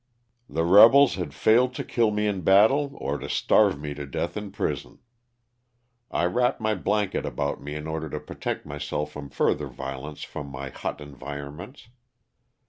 The rebels had failed to kill me in battle, or to starve me to death in prison. I wrapped my blanket about me in order to protect myself from further violence from my hot en vironments.